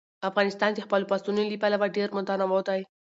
افغانستان د خپلو پسونو له پلوه ډېر متنوع دی.